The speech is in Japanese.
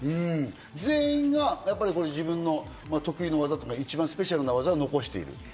全員が自分の得意な技っていうかスペシャルな技を残している。